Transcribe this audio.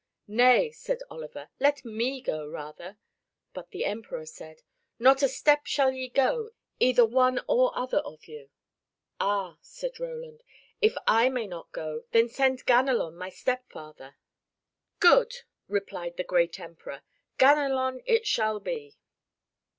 "Nay," said Oliver, "let me go rather." But the Emperor said, "Not a step shall ye go, either one or other of you." "Ah!" said Roland, "if I may not go, then send Ganelon my stepfather." "Good!" replied the great Emperor, "Ganelon it shall be."